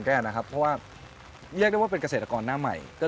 คุณต้องเป็นผู้งาน